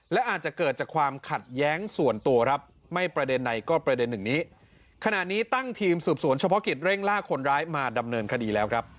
และอาจจะเกิดจากความขัดแย้งส่วนตัวไม่ประเด็นไหนก็ประเด็นนึงนี้